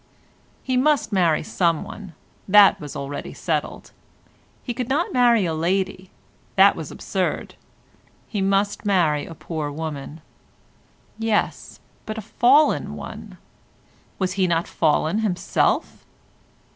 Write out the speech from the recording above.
He must marry someone; that was already settled. He could not marry a lady; that was absurd. He must marry a poor woman. Yes, but a fallen one? Was he not fallen himself?